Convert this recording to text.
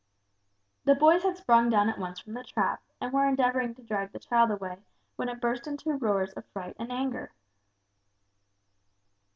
The boys had sprung down at once from the trap, and were endeavoring to drag the child away when it burst into roars of fright and anger.